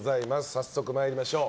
早速参りましょう。